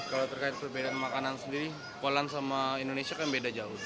kalau terkait perbedaan makanan sendiri polan sama indonesia kan beda jauh